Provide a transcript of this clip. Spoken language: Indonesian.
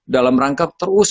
dalam rangka terus